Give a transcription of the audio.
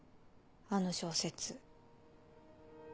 あの小説。